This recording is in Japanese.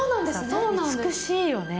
美しいよね。